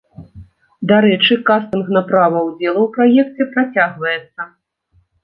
Дарэчы кастынг на права ўдзелу ў праекце працягваецца.